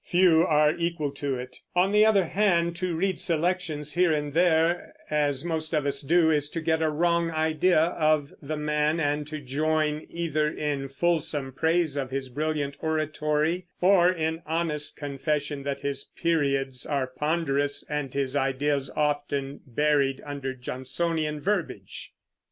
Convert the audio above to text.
Few are equal to it. On the other hand, to read selections here and there, as most of us do, is to get a wrong idea of the man and to join either in fulsome praise of his brilliant oratory, or in honest confession that his periods are ponderous and his ideas often buried under Johnsonian verbiage.